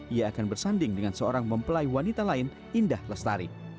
ia akan bersanding dengan seorang mempelai wanita lain indah lestari